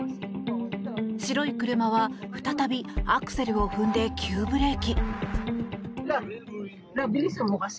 白い車は再びアクセルを踏んで急ブレーキ。